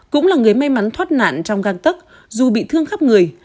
cũng là người may mắn thoát nạn trong găng tức dù bị thương khắp người